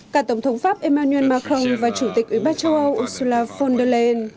cả tổng thống pháp emmanuel macron và chủ tịch ủy ban châu âu ursula von der leyen